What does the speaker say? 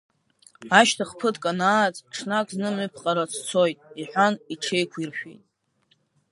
Ашьҭах ԥыҭк анааҵ, ҽнак зны, мҿыԥҟара сцоит, — иҳәан, иҽеиқәиршәеит.